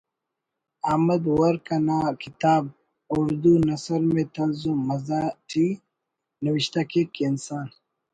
احمد ورک نا کتاب ”اردو نثر میں طنز و مزاح“ ٹی نوشتہ کیک کہ انسان